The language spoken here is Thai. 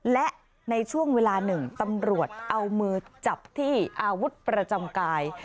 และในช่วงเวลาหนึ่งตำรวจเอามือจับที่อาวุธประจำกาย